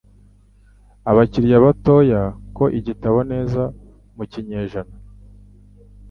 abakiriya batoye ko igitabo neza mu kinyejana